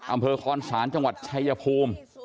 อำเภอคอนศาลจังหวัดชายภูมิ